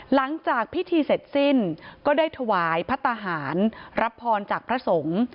หลังจากพิธีเสร็จสิ้นก็ได้ถวายพระทหารรับพรจากพระสงฆ์